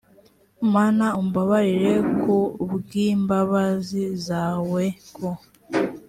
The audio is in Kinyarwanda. mana umbabarire ku bw imbabazi zawe ku